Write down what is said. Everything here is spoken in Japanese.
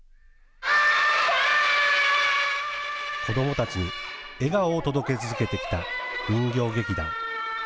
子どもたちに笑顔を届け続けてきた人形劇団。